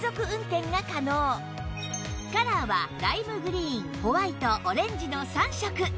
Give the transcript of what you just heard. カラーはライムグリーンホワイトオレンジの３色